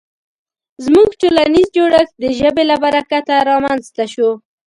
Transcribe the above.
زموږ ټولنیز جوړښت د ژبې له برکته رامنځ ته شو.